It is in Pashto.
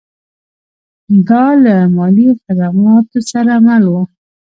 دا له مالي خدماتو سره مل و